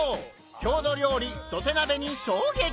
郷土料理「土手鍋」に衝撃！！